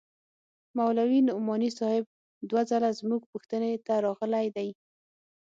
مولوي نعماني صاحب دوه ځله زموږ پوښتنې ته راغلى دى.